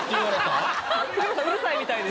うるさいみたいです。